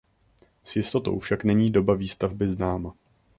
S jistotou však není doba výstavby známa.